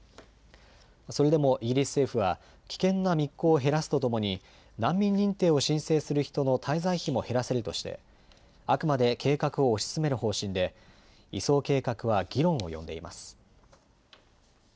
それでもイギリス政府は危険な密航を減らすとともに難民認定を申請する人の滞在費も減らせるとしてあくまで計画を推し進める方針で移送計画は議論を呼んでいます。